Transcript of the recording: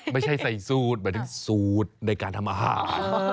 ไม่ใช่ใส่สูตรหมายถึงสูตรในการทำอาหาร